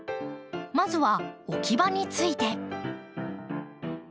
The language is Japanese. まずは置き場について。